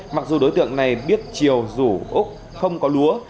mặc dù đối tượng này biết triều dũ úc không có lúa